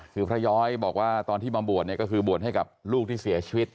คือพระย้อยบอกว่าตอนที่มาบวชเนี่ยก็คือบวชให้กับลูกที่เสียชีวิต